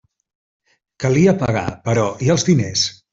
Calia pagar; però... i els diners?